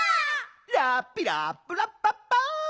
「ラッピラップラッパッパ」